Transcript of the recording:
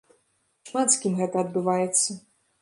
Шмат з кім гэта адбываецца.